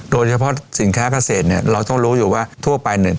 โดยเฉพาะสินค้าเกษตรเนี่ยเราต้องรู้อยู่ว่าทั่วไปเนี่ย